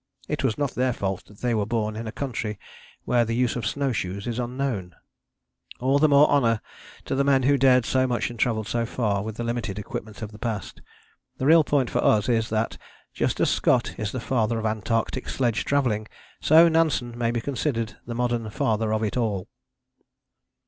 It was not their fault that they were born in a country where the use of snowshoes is unknown...." All the more honour to the men who dared so much and travelled so far with the limited equipment of the past. The real point for us is that, just as Scott is the Father of Antarctic sledge travelling, so Nansen may be considered the modern Father of it all.